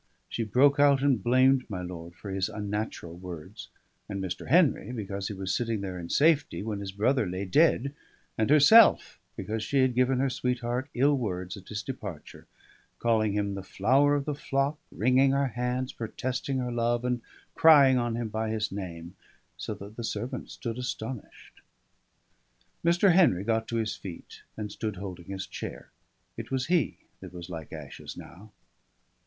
She broke out and blamed my lord for his unnatural words, and Mr. Henry because he was sitting there in safety when his brother lay dead, and herself because she had given her sweetheart ill words at his departure, calling him the flower of the flock, wringing her hands, protesting her love, and crying on him by his name so that the servants stood astonished. Mr. Henry got to his feet, and stood holding his chair. It was he that was like ashes now.